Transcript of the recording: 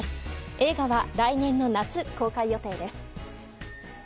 映画は来年の夏公開予定です。